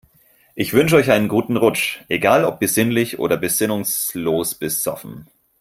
Ich wünsche euch einen guten Rutsch, egal ob besinnlich oder besinnungslos besoffen.